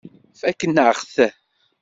Fakken-aɣ-t.